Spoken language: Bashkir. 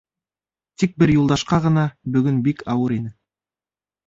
Тик бер Юлдашҡа ғына бөгөн бик ауыр ине.